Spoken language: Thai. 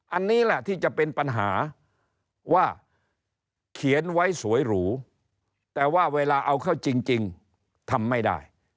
อันนี้แหละที่จะเป็นปัญหาว่าเขียนไว้สวยหรูแต่ว่าเวลาเอาเข้าจริงทำไม่ได้